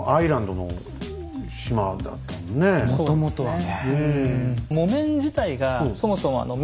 もともとはね。